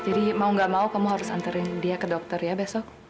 jadi mau gak mau kamu harus anterin dia ke dokter ya besok